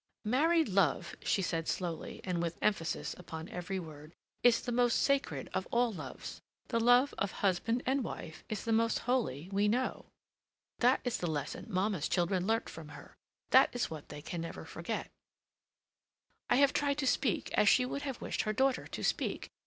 "Married love," she said slowly and with emphasis upon every word, "is the most sacred of all loves. The love of husband and wife is the most holy we know. That is the lesson Mamma's children learnt from her; that is what they can never forget. I have tried to speak as she would have wished her daughter to speak.